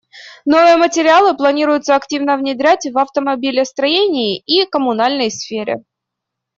Новые материалы планируется активно внедрять в автомобилестроении и коммунальной сфере.